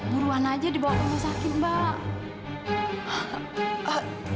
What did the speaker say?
buruan aja dibawa ke rumah sakit mbak